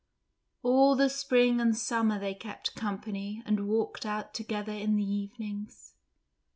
All the spring and summer they kept company and walked out together in the evenings.